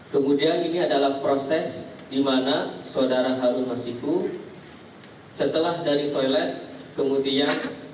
kemudian ini adalah proses di mana saudara harun masiku setelah dari toilet kemudian